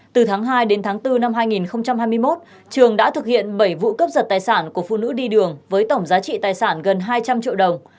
từ tháng hai đến tháng bốn năm hai nghìn hai mươi một trường đã thực hiện bảy vụ cấp giật tài sản của phụ nữ đi đường với tổng giá trị tài sản gần hai trăm linh triệu đồng